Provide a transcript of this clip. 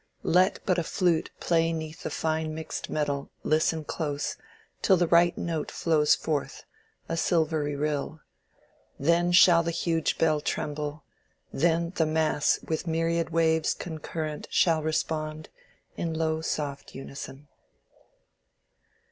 Let but a flute Play 'neath the fine mixed metal: listen close Till the right note flows forth, a silvery rill: Then shall the huge bell tremble—then the mass With myriad waves concurrent shall respond In low soft unison.